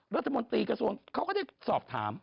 รัฐมนตรีกระทรวงเขาก็ได้สอบถาม